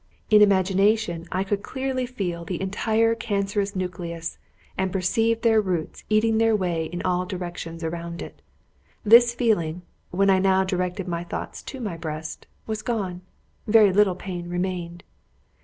In imagination, I could clearly feel the entire cancerous nucleus, and perceive the roots eating their way in all directions around it. This feeling, when I now directed my thoughts to my breast, was gone very little pain remained.